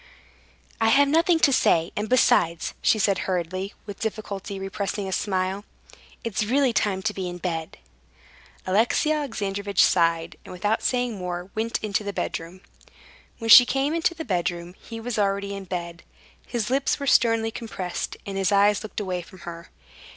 "I have nothing to say. And besides," she said hurriedly, with difficulty repressing a smile, "it's really time to be in bed." Alexey Alexandrovitch sighed, and, without saying more, went into the bedroom. When she came into the bedroom, he was already in bed. His lips were sternly compressed, and his eyes looked away from her.